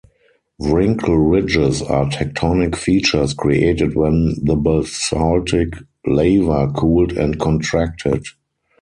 Wrinkle ridges are tectonic features created when the basaltic lava cooled and contracted.